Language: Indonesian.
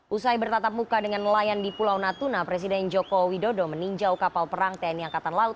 usai bertatap muka dengan nelayan di pulau natuna presiden joko widodo meninjau kapal perang tni angkatan laut